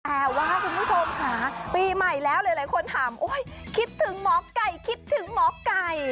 แต่ว่าคุณผู้ชมค่ะปีใหม่แล้วหลายคนถามคิดถึงหมอไก่คิดถึงหมอไก่